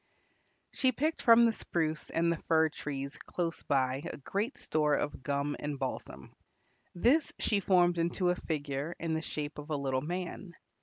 She picked from the spruce and the fir trees close by a great store of gum and balsam. This she formed into a figure in the shape of a little man.